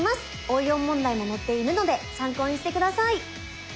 応用問題も載っているので参考にして下さい。